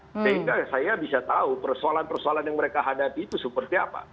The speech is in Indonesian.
sehingga saya bisa tahu persoalan persoalan yang mereka hadapi itu seperti apa